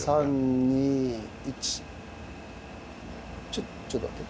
ちょっちょっと待って。